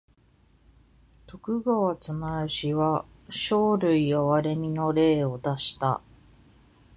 徳川綱吉は生類憐みの令を出した。